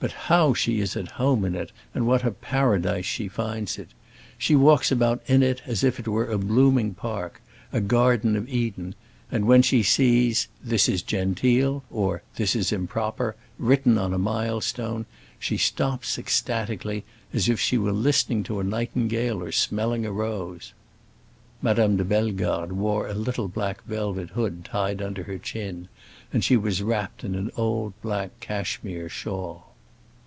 But how she is at home in it, and what a paradise she finds it. She walks about in it as if it were a blooming park, a Garden of Eden; and when she sees 'This is genteel,' or 'This is improper,' written on a mile stone she stops ecstatically, as if she were listening to a nightingale or smelling a rose." Madame de Bellegarde wore a little black velvet hood tied under her chin, and she was wrapped in an old black cashmere shawl.